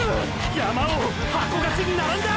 山王ハコガクに並んだ！！